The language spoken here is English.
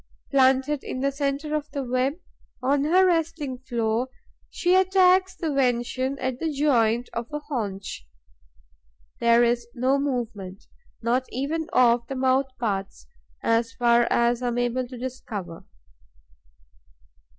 Planted in the centre of the web, on her resting floor, she attacks the venison at the joint of a haunch. There is no movement, not even of the mouth parts, as far as I am able to discover.